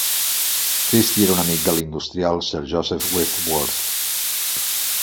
Christie era un amic del industrial Sir Joseph Whitworth.